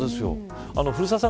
古澤さん